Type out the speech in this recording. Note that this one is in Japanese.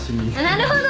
なるほど。